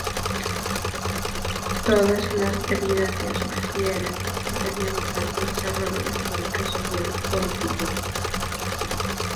Todas la evidencias sugieren que tenían un alto desarrollo económico, social, político.